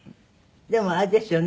でもあれですよね